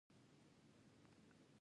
کلي د افغانستان د انرژۍ سکتور برخه ده.